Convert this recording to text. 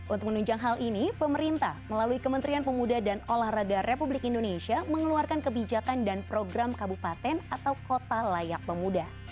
untuk menunjang hal ini pemerintah melalui kementerian pemuda dan olahraga republik indonesia mengeluarkan kebijakan dan program kabupaten atau kota layak pemuda